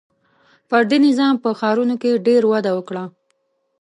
• فردي نظام په ښارونو کې ډېر وده وکړه.